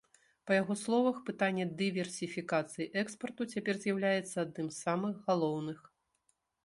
Па яго словах, пытанне дыверсіфікацыі экспарту цяпер з'яўляецца адным з самых галоўных.